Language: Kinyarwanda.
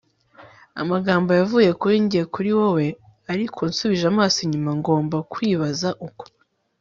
amagambo yavuye kuri njye kuri wewe, ariko nsubije amaso inyuma ngomba kwibaza uko